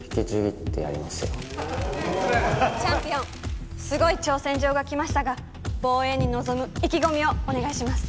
チャンピオンすごい挑戦状が来ましたが防衛に臨む意気込みをお願いします。